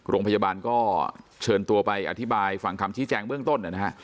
โรงพยาบาลก็เชิญตัวไปอธิบายฟังคำชี้แจงเบื้องต้นนะฮะ